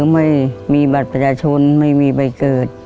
ไม่มีบัตรประชาชนไม่มีใบเกิด